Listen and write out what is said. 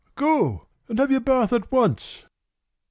Go and have your bath at once!"